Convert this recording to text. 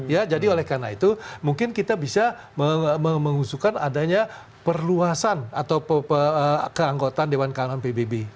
ya jadi oleh karena itu mungkin kita bisa mengusulkan adanya perluasan atau keanggotaan dewan keamanan pbb